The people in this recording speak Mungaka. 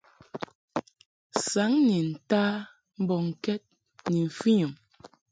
Saŋ ni nta mbɔŋkɛd ni mfɨnyum.